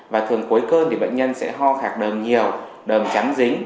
và thường cuối cân thì bệnh nhân sẽ ho khạc đờm nhiều đờm chắn dính